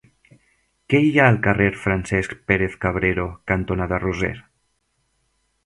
Què hi ha al carrer Francesc Pérez-Cabrero cantonada Roser?